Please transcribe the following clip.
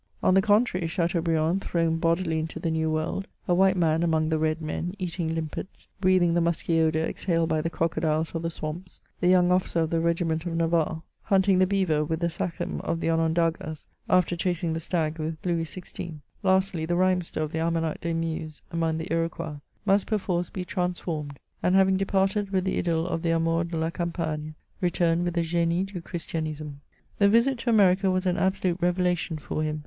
On the contrary, Chateaubriand, thrown bodily into the New World, a white man among the red men, eating limpets, breathing the musky odour exhaled by the crocodiles of the swamps— the young officer of the regiment of Navarre, 12 MEMOIRS OF hunting the beaver with the sachem of the Onondagas, after chasing *he stag with Louis XVI — lastly, the rhymester of the Almanack des Muses among the Iroquois, must per force be transformed, and, having departed with the idyl of the Amour de la Campagne, return with the GMe du Christianisme. The visit to America was an absolute revelation for him.